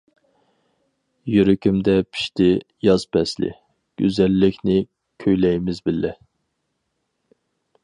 يۈرىكىمدە پىشتى ياز پەسلى، گۈزەللىكنى كۈيلەيمىز بىللە.